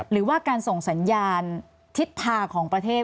หรือว่าการส่งสัญญาณทิศทางของประเทศ